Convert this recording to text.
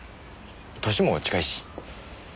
歳も近いし。